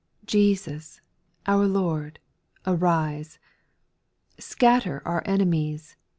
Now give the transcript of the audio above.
2. Jesus, our Lord, arise, Scatter our enemies.